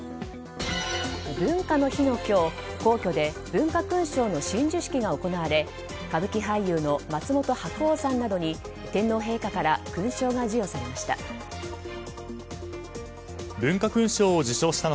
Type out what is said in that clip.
文化の日の今日皇居で文化勲章の親授式が行われ歌舞伎俳優の松本白鸚さんなどに天皇陛下から勲章が授与されました。